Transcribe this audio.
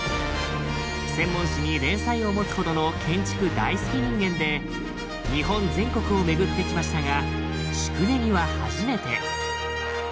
専門誌に連載を持つほどの建築大好き人間で日本全国を巡ってきましたが宿根木は初めて。